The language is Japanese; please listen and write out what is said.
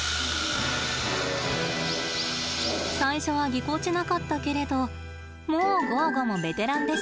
最初はぎこちなかったけれどもうゴーゴもベテランです。